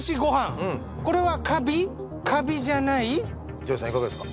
ＪＯＹさんいかがですか？